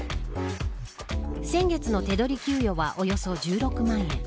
先月の手取り給与はおよそ１６万円。